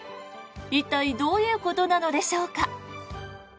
一体どういうことなのでしょうか？